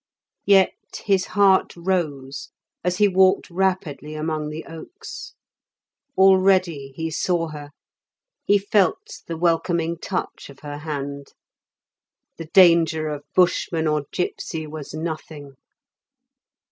Yet his heart rose as he walked rapidly among the oaks; already he saw her, he felt the welcoming touch of her hand; the danger of Bushman or gipsy was nothing.